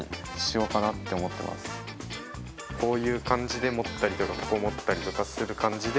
こういう感じで持ったりとかここ持ったりとかする感じで。